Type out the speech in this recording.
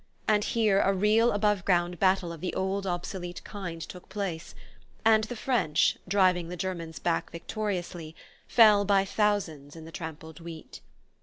And here a real above ground battle of the old obsolete kind took place, and the French, driving the Germans back victoriously, fell by thousands in the trampled wheat.